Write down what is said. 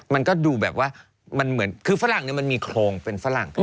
มันก็ดูแบบว่ามันเหมือนคือฝรั่งมันมีโครงเป็นฝรั่ง